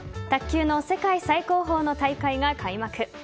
卓球の世界最高峰の大会が開幕。